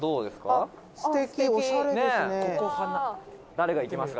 「誰が行きますか？